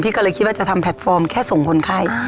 ก็เลยคิดว่าจะทำแพลตฟอร์มแค่ส่งคนไข้